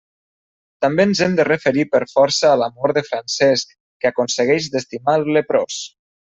També ens hem de referir per força a l'amor de Francesc, que aconsegueix d'estimar el leprós.